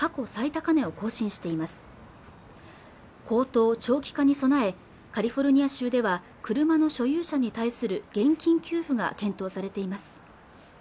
高騰長期化に備えカリフォルニア州では車の所有者に対する現金給付が検討されています